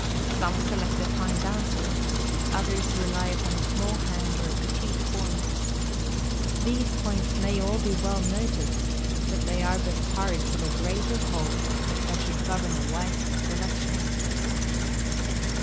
Some select a fine dancer; others rely upon a small hand or a petite form. These points may be all well noted, but they are but parts of a greater whole that should govern a wise selection.